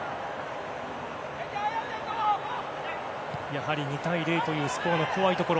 やはり２対１というスコアが怖いところ。